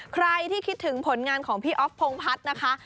ใครที่คิดถึงผลงานของพี่อ๊อฟพงพัฒน์นะคะ